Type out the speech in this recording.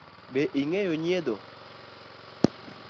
Be ing’eyo nyiedho?